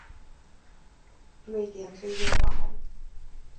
瑞典最热榜。